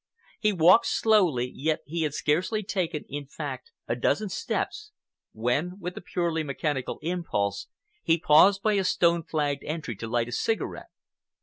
He walked slowly, yet he had scarcely taken, in fact, a dozen steps when, with a purely mechanical impulse, he paused by a stone flagged entry to light a cigarette.